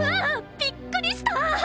びっくりした！